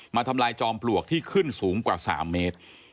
ทำลายจอมปลวกที่ขึ้นสูงกว่า๓เมตร